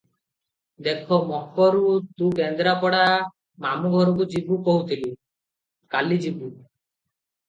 ଦେଖ ମକରୁ, ତୁ କେନ୍ଦ୍ରାପଡ଼ା ମାମୁ ଘରକୁ ଯିବୁ କହୁଥିଲୁ, କାଲି ଯିବୁ ।